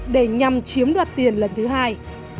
để nhằm chiếm đoạt tiền lần thứ hai